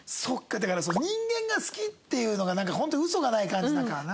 だからその人間が好きっていうのがなんかホントウソがない感じだからな。